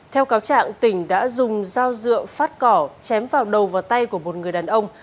theo cáo trạng tỉnh đã dùng dao dựa phát cỏ chém vào đầu và tay của một người đàn ông